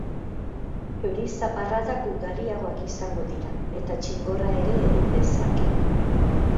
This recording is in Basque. Euri-zaparradak ugariagoak izango dira eta txingorra ere egin dezake.